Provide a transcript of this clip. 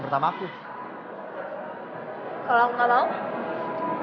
boleh nyobain boleh nyobain gak